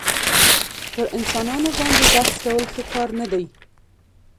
پر انسانانو باندي بحث کول ښه کار نه دئ.